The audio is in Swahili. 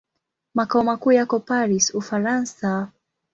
Makao makuu yako Paris, Ufaransa.